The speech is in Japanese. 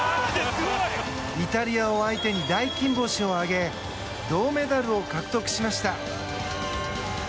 イタリアを相手に大金星を挙げ銅メダルを獲得しました。